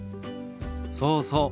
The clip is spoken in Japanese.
そうそう。